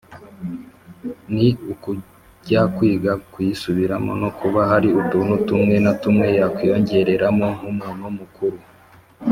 ni ukujya kwiga kuyisubiramo no kuba hari utuntu tumwe na tumwe yakwiyongereramo nk'umuntu mukuru.